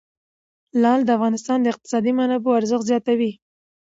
لعل د افغانستان د اقتصادي منابعو ارزښت زیاتوي.